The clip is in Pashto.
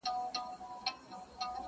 د کيسې دردناک اثر لا هم ذهن کي پاتې.